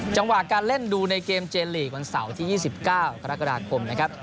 จังหวะการเล่นดูในเกมเจนลีกวันเสาร์ที่๒๙กรกฎาคมนะครับ